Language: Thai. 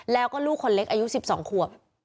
แล้วก็ลูกคนเล็กอายุ๑๒ขวบ